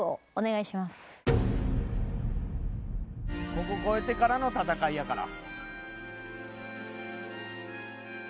ここ越えてからの戦いやから。